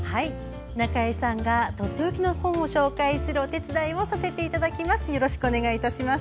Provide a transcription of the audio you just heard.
中江さんがとっておきの本を紹介するお手伝いをさせていただきます。